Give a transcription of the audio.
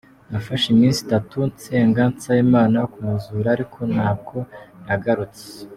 Nafashe iminsi itatu nsenga nsaba Imana kumuzura ariko ntabwo yagarutse.